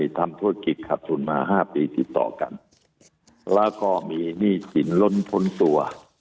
ทำธุรกิจขัดทุนมา๕ปีติดต่อกันแล้วก็มีหนี้สินล้นพ้นตัว